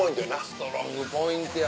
ストロングポイントや。